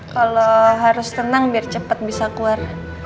kalau harus tenang biar cepat bisa keluar